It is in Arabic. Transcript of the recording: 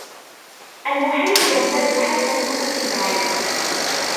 المحيط يمتد حتى الأفق البعيد.